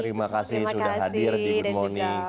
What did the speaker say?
terima kasih sudah hadir di good morning